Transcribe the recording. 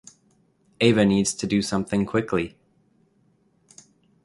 Ava needs to do something quickly.